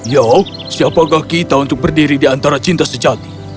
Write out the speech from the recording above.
ya siapakah kita untuk berdiri di antara cinta sejati